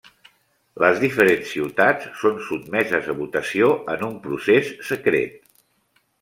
Les diferents ciutats són sotmeses a votació en un procés secret.